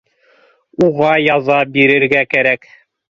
Уға яза бирергә кәрәк